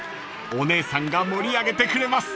［お姉さんが盛り上げてくれます］